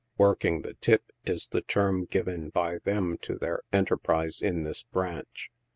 u . Working the tip" is the term given by them to their enterprise in this branch.